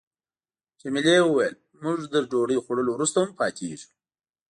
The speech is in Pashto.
جميلې وويل: موږ تر ډوډۍ خوړلو وروسته هم پاتېږو.